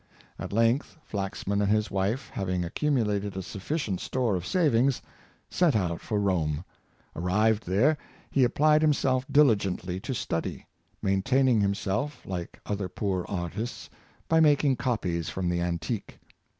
At length Flaxman and his wife having accumulated a sufficient store of savings, set out for Rome. Arrived there, he applied himself diligently to study; maintain ing himself, like other poor artists, by making copies from the antique.